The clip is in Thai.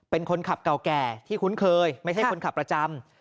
เป็นคนขับเก่าแก่ที่คุ้นเคยไม่ใช่คนขับประจำ